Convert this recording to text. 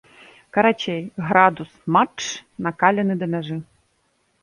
Карацей, градус матч накалены да мяжы.